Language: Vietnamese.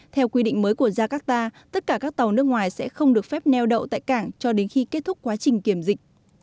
theo quy định mới của jakarta tất cả các tàu nước ngoài sẽ không được phép neo đậu tại cảng cho đến khi kết thúc quá trình kiểm dịch